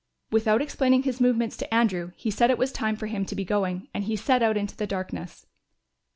Without explaining his movements to Andrew he said it was time for him to be going, and he set out into the darkness.